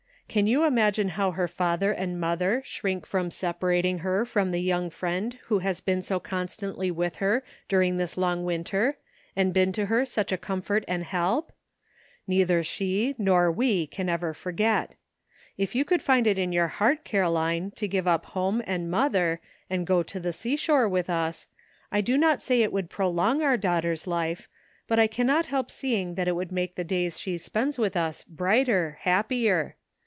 Can you imagine how her father and mother shrink from separating her from the young friend who has been so constantly with her during this long winter, and been to her such a comfort and help? Neither she nor we can ever forget. If you could find it in your heart, Caroline, to give up home and mother, and go to the seashore with us, I do not say it would prolong our daughter's life, but I cannot help seeing that it would make the days she ANOTHER '' side track:' 349 spends with us brighter, happier.